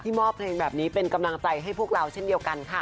มอบเพลงแบบนี้เป็นกำลังใจให้พวกเราเช่นเดียวกันค่ะ